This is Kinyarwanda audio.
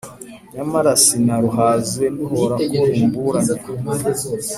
Nyamara sinaruhaze nduhora ko rumburanya;